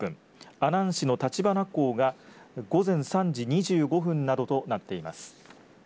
阿南市の橘港が午前３時２５分などとなっています。